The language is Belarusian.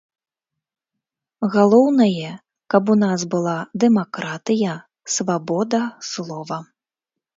Галоўнае, каб у нас была дэмакратыя, свабода слова.